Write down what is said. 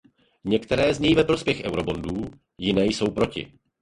Některé znějí ve prospěch eurobondů, jiné jsou proti.